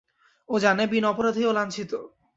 ও জানে, বিনা অপরাধেই ও লাঞ্ছিত।